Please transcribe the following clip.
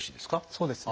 そうですね。